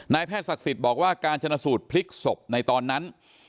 แพทย์ศักดิ์สิทธิ์บอกว่าการชนะสูตรพลิกศพในตอนนั้น